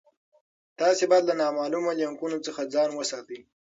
تاسي باید له نامعلومو لینکونو څخه ځان وساتئ.